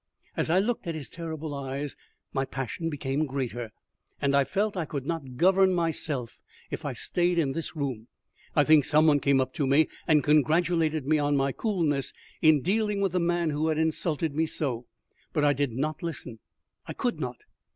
As I looked at his terrible eyes, my passion became greater, and I felt I could not govern myself if I stayed in the room. I think some one came up to me, and congratulated me on my coolness in dealing with the man who had insulted me so; but I did not listen I could not.